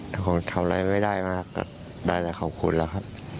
แต่ผมทำอะไรไม่ได้มากก็ได้แต่ขอบคุณแล้วครับ